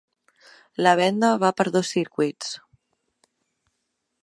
La venda va per dos circuits.